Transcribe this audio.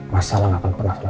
masalah gak akan pernah selesai